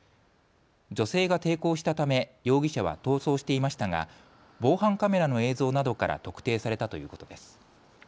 女性が抵抗したため容疑者は逃走していましたが防犯カメラの映像などから特定されたということです。